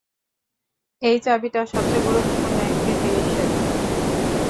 এই চাবিটা সবচেয়ে গুরুত্বপুর্ণ একটা জিনিসের।